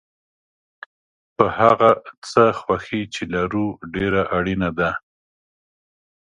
په هغه څه خوښي چې لرو ډېره اړینه ده.